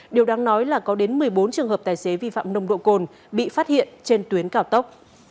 điều đáng nói là có đến một mươi bốn trường hợp tài xế vi phạm nồng độ cồn bị phát hiện trên tuyến cao tốc